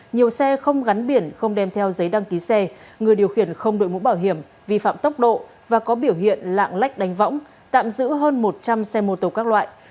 nhiều xe không gắn biển không đem theo giấy đăng ký xe người điều khiển không đội mũ bảo hiểm vi phạm tốc độ và có biểu hiện lạng lách đánh võng tạm giữ hơn một trăm linh xe mô tô các loại